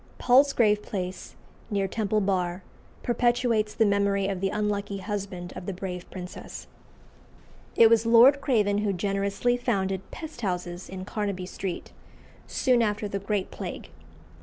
Palsgrave Place, near Temple Bar, perpetuates the memory of the unlucky husband of the brave princess. It was Lord Craven who generously founded pest houses in Carnaby Street, soon after the Great Plague.